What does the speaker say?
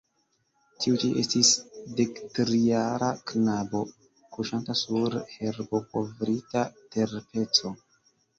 Tiu ĉi estis dektrijara knabo, kuŝanta sur herbokovrita terpeco.